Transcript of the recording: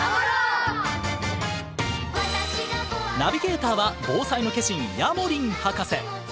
ナビゲーターは防災の化身ヤモリン博士。